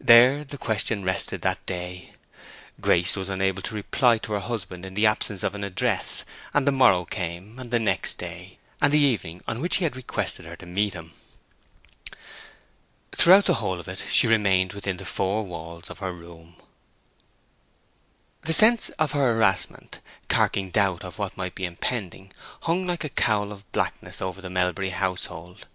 There the question rested that day. Grace was unable to reply to her husband in the absence of an address, and the morrow came, and the next day, and the evening on which he had requested her to meet him. Throughout the whole of it she remained within the four walls of her room. The sense of her harassment, carking doubt of what might be impending, hung like a cowl of blackness over the Melbury household.